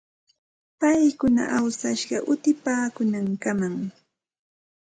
Paykuna awsashqa utipaakuunankamam.